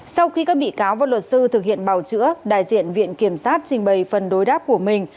sau khi các bị cáo và luật sư thực hiện bào chữa đại diện viện kiểm sát trình bày phần đối đáp của mình